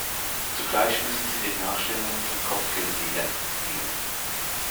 Zugleich müssen sie den Nachstellungen von Kopfgeldjägern entgehen.